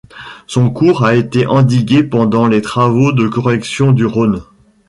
Son cours a été endigué pendant les travaux de correction du Rhône.